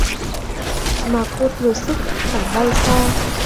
Mà cô thường xức, chẳng bay xa